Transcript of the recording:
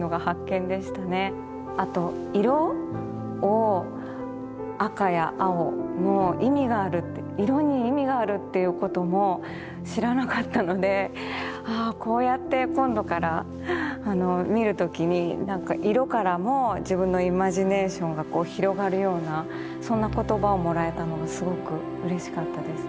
あと色を赤や青の意味がある色に意味があるっていうことも知らなかったのでこうやって今度から見る時に色からも自分のイマジネーションが広がるようなそんな言葉をもらえたのがすごくうれしかったです。